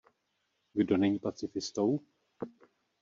Kdo není pacifistou?